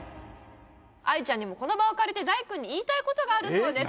愛ちゃんにもこの場を借りて大くんに言いたいことがあるそうです